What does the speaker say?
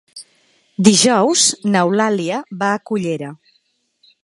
Dijous n'Eulàlia va a Cullera.